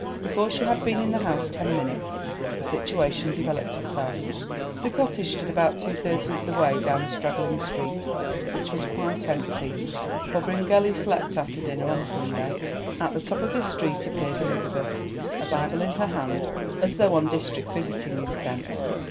Before she had been in the house ten minutes, the situation developed itself. The cottage stood about two thirds of the way down a straggling street, which was quite empty, for Bryngelly slept after dinner on Sunday. At the top of this street appeared Elizabeth, a Bible in her hand, as though on district visiting intent.